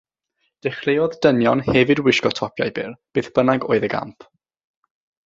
Dechreuodd dynion hefyd wisgo topiau byr, beth bynnag oedd y gamp.